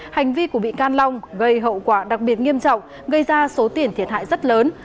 hành vi của bị can long gây hậu quả đặc biệt nghiêm trọng gây ra số tiền thiệt hại rất lớn